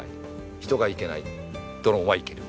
人が行けないドローンは行ける。